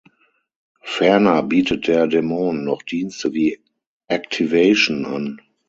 Ferner bietet der daemon noch Dienste wie "Activation" an.